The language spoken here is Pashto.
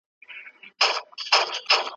ولي هوډمن سړی د مخکښ سړي په پرتله هدف ترلاسه کوي؟